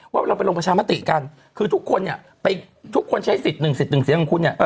ว่าเราไปลงประชามติกันคือทุกคนเนี่ยไปทุกคนใช้สิทธิ์หนึ่งสิทธิ์หนึ่งเสียงของคุณเนี่ย